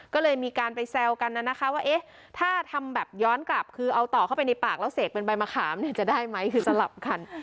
ก็เลยมีการไปแซวกันนะคะว่าเอ๊ะถ้าทำแบบย้อนกลับคือเอาต่อเข้าไปในปากแล้วเสกเป็นใบมะขามเนี่ยจะได้ไหมคือสลับกัน